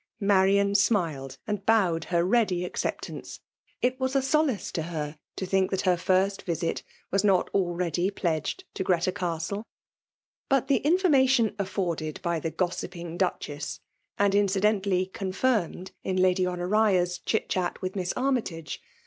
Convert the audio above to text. Ma rian smiled and bowed her ready acceptance^ It was a solace to her to think that her first visit was not already pledged to Greta Castia But the information afforded by the gossip ing Duchessy and incidentally confirmed in lady Honocia's chit chat with Miss Armytage^ 904 FEMALE DOMINAtlOK.